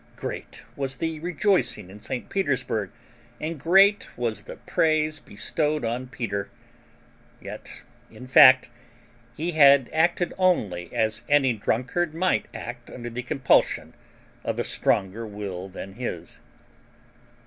Great was the rejoicing in St. Petersburg, and great was the praise bestowed on Peter; yet, in fact, he had acted only as any drunkard might act under the compulsion of a stronger will than his.